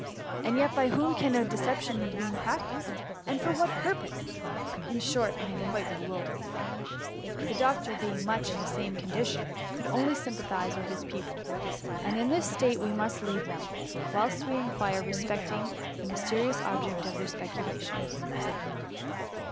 And yet, by whom can a deception have been practised, and for what purpose? In short, I am quite be wildered/' The doctor being much in the same condition, could only sympathize with his pupil ; and in this state we must leave them, whilst we inquire respecting the mysterious object of their specu lations.